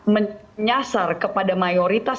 menyasar kepada mayoritas